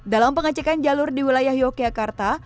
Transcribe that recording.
dalam pengecekan jalur di wilayah yogyakarta